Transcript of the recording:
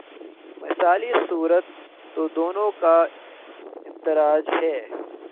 مثالی صورت تو دونوں کا امتزاج ہے۔